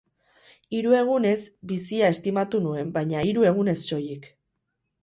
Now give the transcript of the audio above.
Hiru egunez, bizia estimatu nuen, baina hiru egunez soilik.